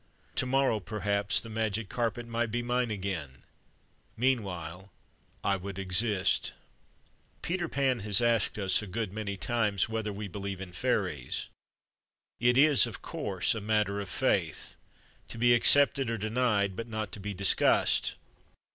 To morrow, perhaps, the Magic Carpet might be mine again ; meanwhile, I would exist. THE MAGIC CARPET 83 Peter Pan has asked us a good many times whether we believe in fairies. It is, of course, a matter of faith, to be accepted or denied, but not to be discussed.